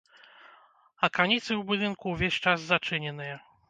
Аканіцы ў будынку ўвесь час зачыненыя.